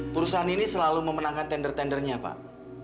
perusahaan ini selalu memenangkan tender tendernya pak